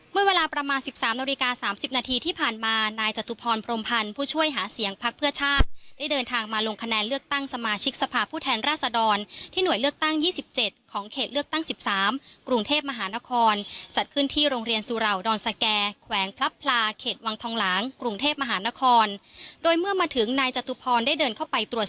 เมื่อเวลาประมาณสิบสามนาวริกาสามสิบนาทีที่ผ่านมานายจตุพรพรมพันธ์ผู้ช่วยหาเสียงพักเพื่อชาติได้เดินทางมาลงคะแนนเลือกตั้งสมาชิกสภาพผู้แทนราชดรที่หน่วยเลือกตั้งยี่สิบเจ็ดของเขตเลือกตั้งสิบสามกรุงเทพมหานครจัดขึ้นที่โรงเรียนสุราวดอนสแก่แขวงพลับพลาเขตวังทองหลังกรุงเทพมหานคร